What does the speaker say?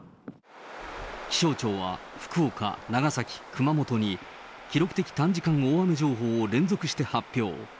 気象庁は福岡、長崎、熊本に記録的短時間大雨情報を連続して発表。